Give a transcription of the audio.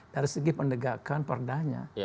dari segi pendegakan perdana